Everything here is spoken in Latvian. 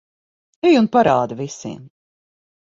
Ej un parādi visiem.